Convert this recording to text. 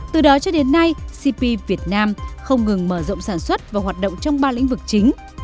từ đó cho đến nay cp việt nam không ngừng mở rộng sản xuất và hoạt động trong ba lĩnh vực chính